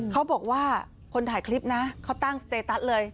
เขาบอกว่าคนถ่ายคลิปนะเขาตั้งสเตตัสเลย